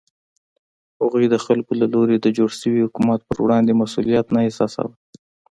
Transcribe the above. هغوی د خلکو له لوري د جوړ شوي حکومت په وړاندې مسوولیت نه احساساوه.